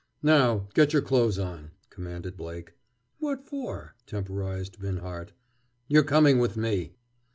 "Now, get your clothes on," commanded Blake. "What for?" temporized Binhart. "You're coming with me!"